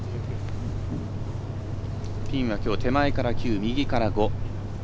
ピンは手前から９右から５。